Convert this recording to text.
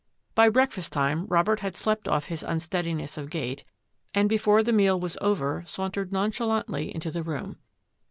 By breakfast time Robert had slept oiF his unsteadiness of gait, and before the meal was over saimtered nonchalantly into the room.